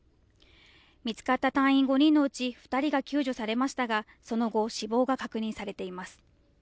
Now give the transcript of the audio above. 見つかった隊員５人のうち２人が救助されましたがその後死亡が確認されています。